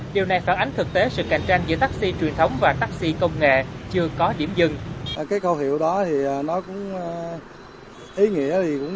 điều này phản ánh thực tế sự cạnh tranh giữa taxi truyền thống và taxi công nghệ chưa có điểm dừng